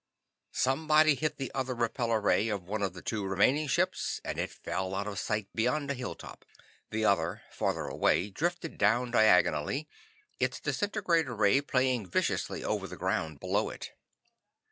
Somebody hit the other repellor ray of one of the two remaining ships and it fell out of sight beyond a hilltop. The other, farther away, drifted down diagonally, its disintegrator ray playing viciously over the ground below it.